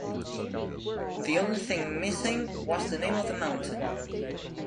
The only thing missing was the name of the mountain.